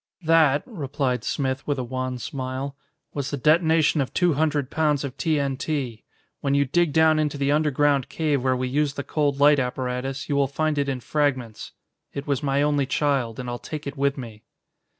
"That," replied Smith with a wan smile, "was the detonation of two hundred pounds of T.N.T. When you dig down into the underground cave where we used the cold light apparatus, you will find it in fragments. It was my only child, and I'll take it with me."